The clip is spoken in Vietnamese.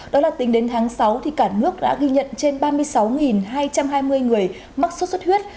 đó là tính đến tháng sáu thì cả nước đã ghi nhận trên ba mươi sáu hai trăm hai mươi người mất sốt sốt huyết